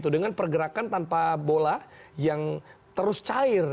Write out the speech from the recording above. dengan pergerakan tanpa bola yang terus cair